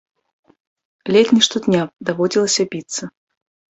Ледзь не штодня даводзілася біцца.